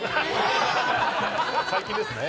富澤：最近ですね。